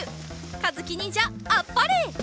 かずきにんじゃあっぱれ！